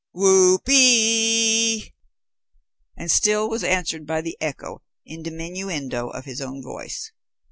Whoopee!" and still was answered by the echo in diminuendo of his own voice.